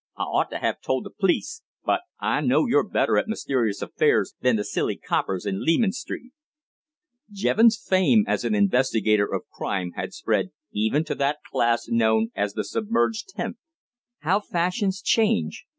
I ought to have told the p'lice, but I know you're better at mysterious affairs than the silly coppers in Leman Street." Jevons' fame as an investigator of crime had spread even to that class known as the submerged tenth. How fashions change!